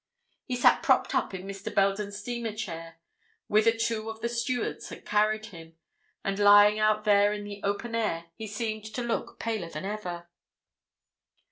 He sat propped up in Mr. Belden's steamer chair, whither two of the stewards had carried him, and lying out there in the open air, he seemed to look paler than ever.